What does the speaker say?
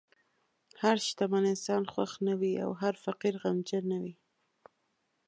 هر شتمن انسان خوښ نه وي، او هر فقیر غمجن نه وي.